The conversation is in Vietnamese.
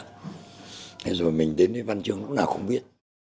thế rồi mình đến với văn chương lúc nào cũng không viết